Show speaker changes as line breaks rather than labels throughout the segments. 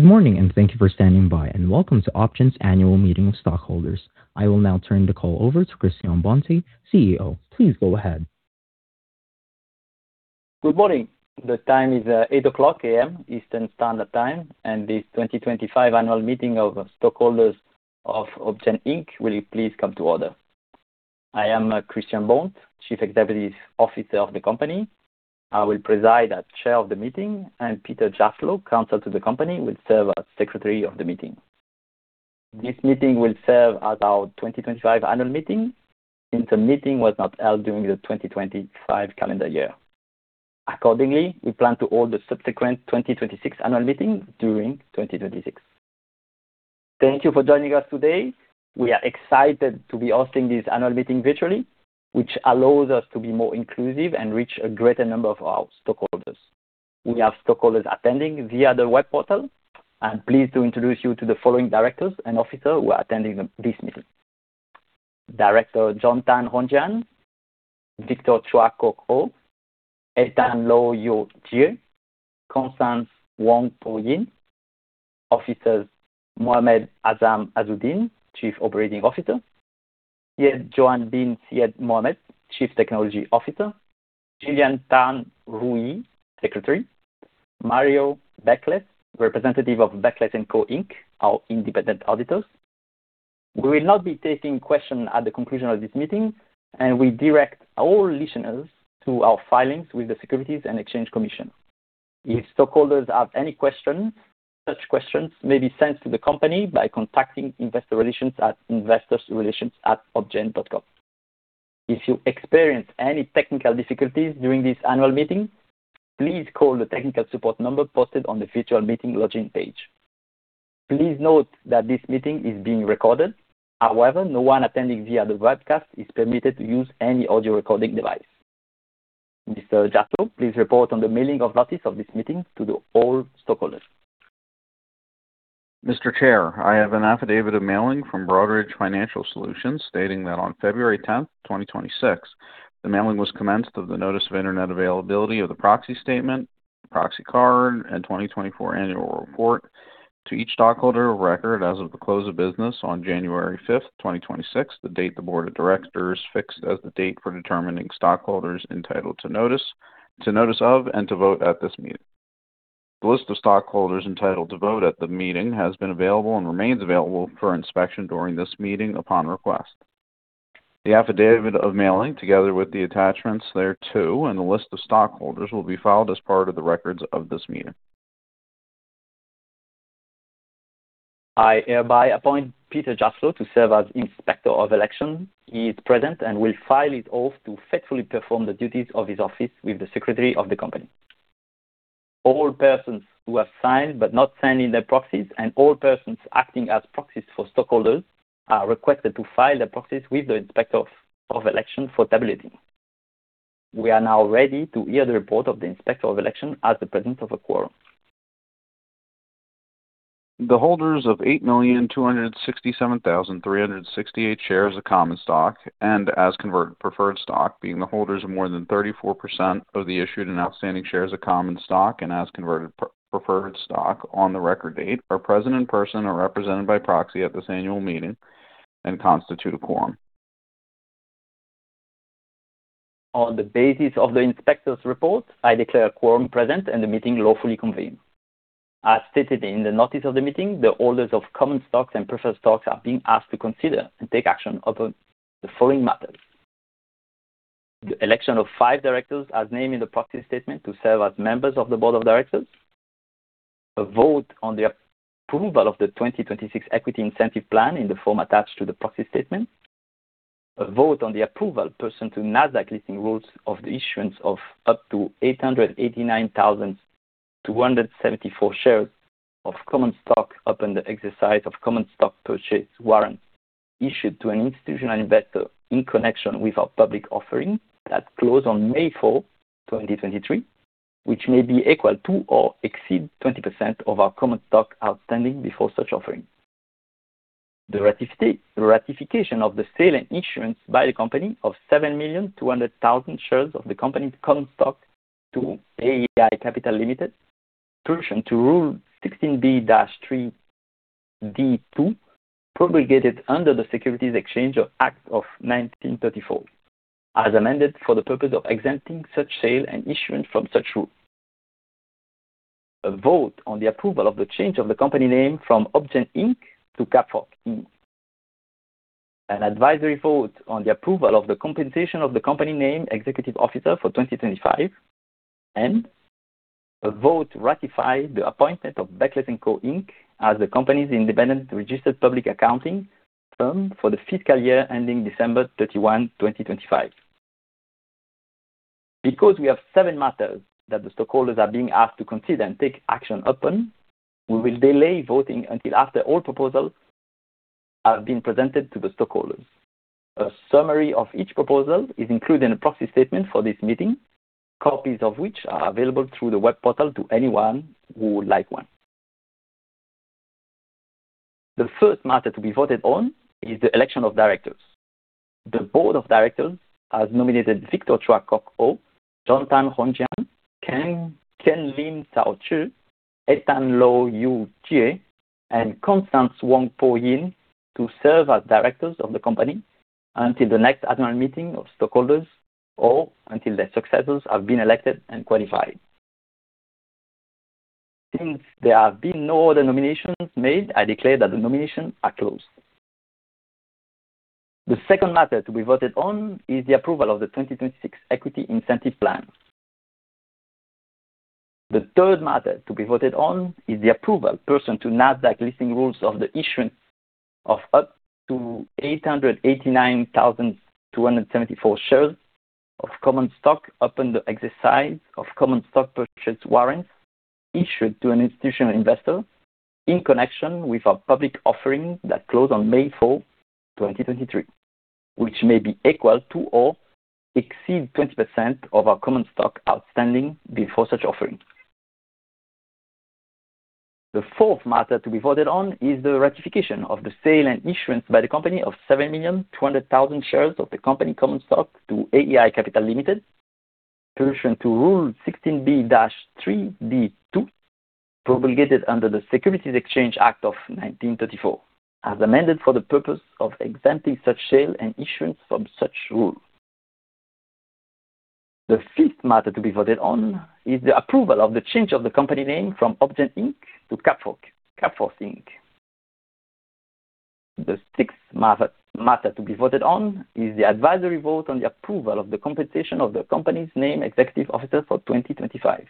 Good morning, thank you for standing by, and welcome to OpGen's Annual Meeting of Stockholders. I will now turn the call over to Christian-Laurent Bonté, CEO. Please go ahead.
Good morning. The time is 8:00 A.M., Eastern Standard Time, this 2025 Annual Meeting of Stockholders of OpGen Inc will you please come to order. I am Christian Bonté, Chief Executive Officer of the company. I will preside as chair of the meeting. Peter Jaslow, Counsel to the company, will serve as Secretary of the meeting. This meeting will serve as our 2025 annual meeting, since the meeting was not held during the 2025 calendar year. Accordingly, we plan to hold the subsequent 2026 annual meeting during 2026. Thank you for joining us today. We are excited to be hosting this annual meeting virtually, which allows us to be more inclusive and reach a greater number of our stockholders. We have stockholders attending via the web portal and pleased to introduce you to the following directors and officers who are attending this meeting. Director John Tan Hon Jian, Victor Chua Kok Hoe, Ethan Loh Yu-Jie, Constance Wong Po Yin. Officers, Mohd Azham Azudin, Chief Operating Officer, Syed Johan bin Syed Mohammed, Chief Technology Officer, Gillian Tan Rou Yee, Secretary, Mario Beckles, representative of Beckles & Co, Inc, our independent auditors. We will not be taking questions at the conclusion of this meeting, and we direct all listeners to our filings with the Securities and Exchange Commission. If stockholders have any questions, such questions may be sent to the company by contacting investor relations at InvestorRelations@opgen.com. If you experience any technical difficulties during this annual meeting, please call the technical support number posted on the virtual meeting login page. Please note that this meeting is being recorded. However, no one attending via the webcast is permitted to use any audio recording device. Mr. Jaslow, please report on the mailing of notice of this meeting to the all stockholders.
Mr. Chair, I have an affidavit of mailing from Broadridge Financial Solutions, stating that on February 10, 2026, the mailing was commenced of the notice of Internet availability of the proxy statement, proxy card, and 2024 annual report to each stockholder of record as of the close of business on January 5, 2026, the date the board of directors fixed as the date for determining stockholders entitled to notice of and to vote at this meeting. The list of stockholders entitled to vote at the meeting has been available and remains available for inspection during this meeting upon request. The affidavit of mailing, together with the attachments thereto, and the list of stockholders, will be filed as part of the records of this meeting.
I hereby appoint Peter Jaslow to serve as Inspector of Election. He is present and will file his oath to faithfully perform the duties of his office with the Secretary of the company. All persons who have signed but not signed in their proxies, and all persons acting as proxies for stockholders are requested to file their proxies with the Inspector of Election for tabulating. We are now ready to hear the report of the Inspector of Election as the presence of a quorum.
The holders of 8,267,368 shares of common stock and as converted preferred stock, being the holders of more than 34% of the issued and outstanding shares of common stock and as converted preferred stock on the record date, are present in person or represented by proxy at this annual meeting and constitute a quorum.
On the basis of the Inspector's report, I declare a quorum present and the meeting lawfully convened. As stated in the notice of the meeting, the holders of common stocks and preferred stocks are being asked to consider and take action upon the following matters: The election of five directors, as named in the proxy statement, to serve as members of the board of directors. A vote on the approval of the 2026 Equity Incentive Plan in the form attached to the proxy statement. A vote on the approval pursuant to Nasdaq listing rules of the issuance of up to 889,274 shares of common stock upon the exercise of common stock purchase warrants issued to an institutional investor in connection with our public offering that closed on May fourth, 2023, which may be equal to or exceed 20% of our common stock outstanding before such offering. The ratification of the sale and issuance by the company of 7,200,000 shares of the company's common stock to AEI Capital Limited, pursuant to Rule 16b-3(d)(2), promulgated under the Securities Exchange Act of 1934, as amended for the purpose of exempting such sale and issuance from such rule. A vote on the approval of the change of the company name from OpGen, Inc. to CapForce Inc. An advisory vote on the approval of the compensation of the company's named executive officer for 2025, and a vote to ratify the appointment of Beckles & Co, Inc as the company's independent registered public accounting firm for the fiscal year ending December 31, 2025. Because we have seven matters that the stockholders are being asked to consider and take action upon, we will delay voting until after all proposals have been presented to the stockholders. A summary of each proposal is included in a proxy statement for this meeting, copies of which are available through the web portal to anyone who would like one. The first matter to be voted on is the election of directors. The board of directors has nominated Victor Chua Kok Hoe, John Tan Hon Jian, Ken Lim Zhao Qi, Ethan Loh Yu-Jie, and Constance Wong Po Yin to serve as directors of the company until the next annual meeting of stockholders or until their successors have been elected and qualified. There have been no other nominations made, I declare that the nominations are closed. The second matter to be voted on is the approval of the 2026 Equity Incentive Plan. The third matter to be voted on is the approval pursuant to Nasdaq listing rules of the issuance of up to 889,274 shares of common stock upon the exercise of common stock purchase warrants issued to an institutional investor in connection with our public offering that closed on May 4, 2023, which may be equal to or exceed 20% of our common stock outstanding before such offering. The fourth matter to be voted on is the ratification of the sale and issuance by the company of 7,200,000 shares of the company common stock to AEI Capital Limited, pursuant to Rule 16b-3(d)(2), promulgated under the Securities Exchange Act of 1934, as amended for the purpose of exempting such sale and issuance from such rule. The fifth matter to be voted on is the approval of the change of the company name from OpGen, Inc. to CapForce Inc. The sixth matter to be voted on is the advisory vote on the approval of the compensation of the company's named executive officer for 2025.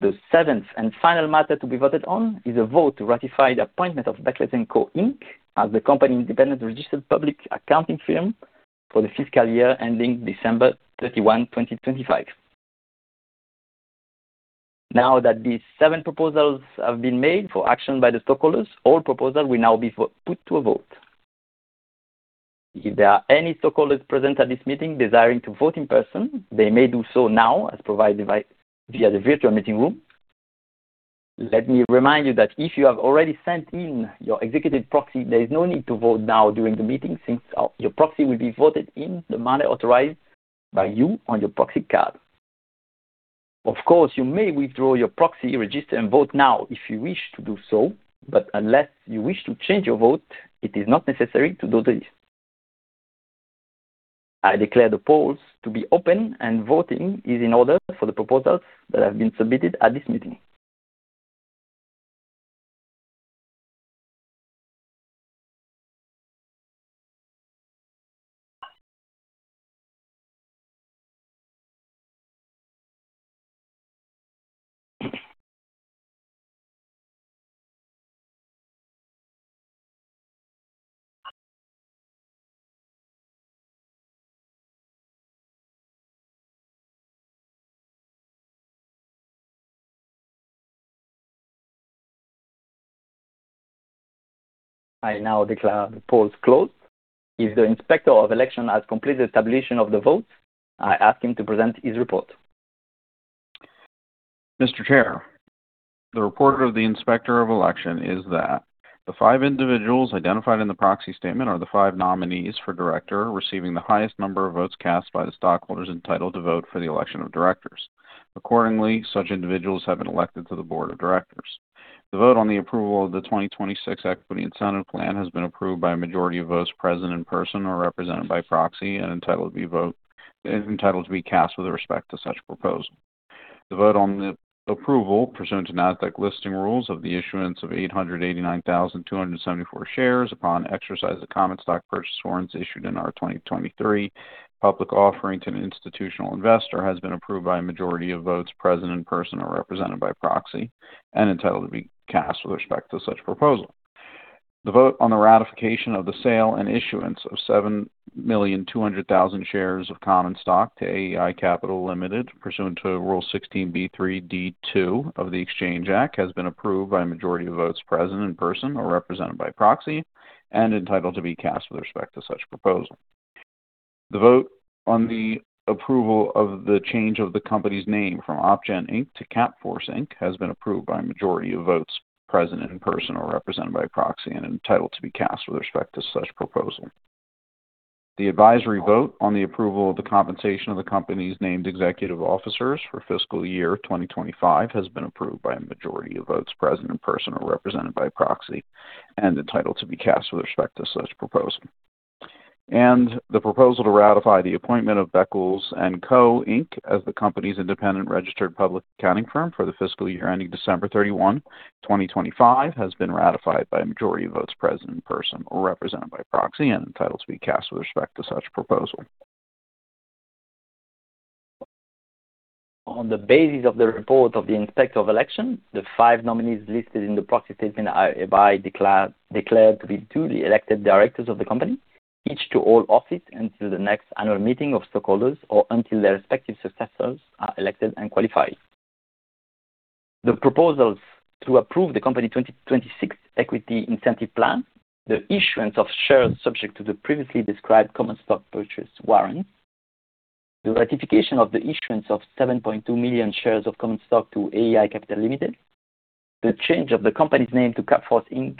The seventh and final matter to be voted on is a vote to ratify the appointment of Beckles & Co, Inc as the company's independent registered public accounting firm for the fiscal year ending December 31, 2025. Now that these seven proposals have been made for action by the stockholders, all proposals will now be put to a vote. If there are any stockholders present at this meeting desiring to vote in person, they may do so now as provided by via the virtual meeting room. Let me remind you that if you have already sent in your executive proxy, there is no need to vote now during the meeting, since your proxy will be voted in the manner authorized by you on your proxy card. Of course, you may withdraw your proxy, register, and vote now if you wish to do so, but unless you wish to change your vote, it is not necessary to do this. I declare the polls to be open and voting is in order for the proposals that have been submitted at this meeting. I now declare the polls closed. If the Inspector of Election has completed tabulation of the votes, I ask him to present his report.
Mr. Chair, the report of the Inspector of Election is that the five individuals identified in the proxy statement are the five nominees for director, receiving the highest number of votes cast by the stockholders entitled to vote for the election of directors. Accordingly, such individuals have been elected to the board of directors. The vote on the approval of the 2026 Equity Incentive Plan has been approved by a majority of votes present in person or represented by proxy and entitled to be cast with respect to such proposal. The vote on the approval pursuant to Nasdaq listing rules of the issuance of 889,274 shares upon exercise of common stock purchase warrants issued in our 2023 public offering to an institutional investor, has been approved by a majority of votes present in person or represented by proxy and entitled to be cast with respect to such proposal. The vote on the ratification of the sale and issuance of 7,200,000 shares of common stock to AEI Capital Limited, pursuant to Rule 16b-3(d)(2) of the Exchange Act, has been approved by a majority of votes present in person or represented by proxy and entitled to be cast with respect to such proposal. The vote on the approval of the change of the company's name from OpGen, Inc. to CapFORCE Inc. has been approved by a majority of votes present in person or represented by proxy and entitled to be cast with respect to such proposal. The advisory vote on the approval of the compensation of the company's named executive officers for fiscal year 2025 has been approved by a majority of votes present in person or represented by proxy and entitled to be cast with respect to such proposal. The proposal to ratify the appointment of Beckles & Co, Inc as the company's independent registered public accounting firm for the fiscal year ending December 31, 2025, has been ratified by a majority of votes present in person or represented by proxy and entitled to be cast with respect to such proposal.
On the basis of the report of the Inspector of Election, the 5 nominees listed in the proxy statement are hereby declared to be duly elected directors of the company, each to all office, until the next annual meeting of stockholders or until their respective successors are elected and qualified. The proposals to approve the company 2026 Equity Incentive Plan, the issuance of shares subject to the previously described common stock purchase warrant, the ratification of the issuance of 7.2 million shares of common stock to AEI Capital Limited, the change of the company's name to CapFORCE Inc,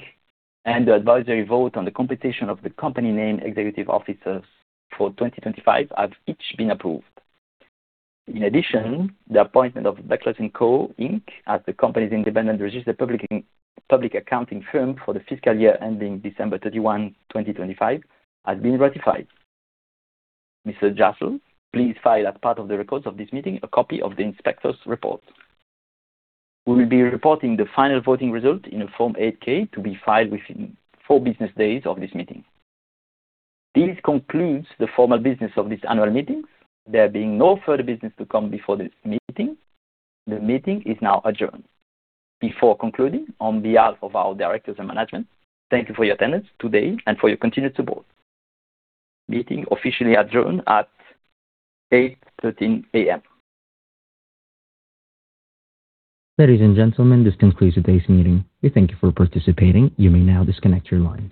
and the advisory vote on the compensation of the company's named executive officers for 2025 have each been approved. In addition, the appointment of Beckles & Co, Inc. as the company's independent registered public accounting firm for the fiscal year ending December 31, 2025, has been ratified. Mr. Jaslow, please file as part of the records of this meeting, a copy of the inspector's report. We will be reporting the final voting result in a Form 8-K to be filed within four business days of this meeting. This concludes the formal business of this annual meeting. There being no further business to come before this meeting, the meeting is now adjourned. Before concluding, on behalf of our directors and management, thank you for your attendance today and for your continued support. Meeting officially adjourned at 8:13 A.M.
Ladies and gentlemen, this concludes today's meeting. We thank you for participating. You may now disconnect your line.